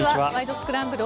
スクランブル」